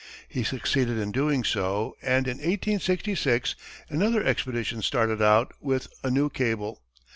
He succeeded in doing so, and in 1866, another expedition started out with a new cable.